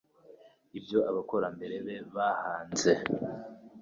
ibyo abakurambere be bahanze